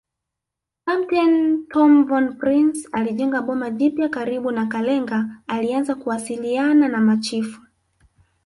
Kapteni Tom von Prince alijenga boma jipya karibu na Kalenga alianza kuwasiliana na machifu